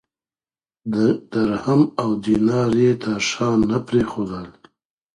درهم او دینار یې تر شا نه پرېښودل.